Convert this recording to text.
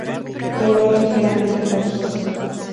Color ligeramente pajizo.